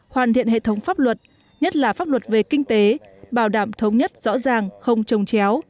hoàn thiện hệ thống pháp luật nhất là pháp luật về kinh tế bảo đảm thống nhất rõ ràng không trồng chéo